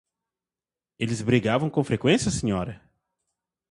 Eles brigavam com frequência, senhora?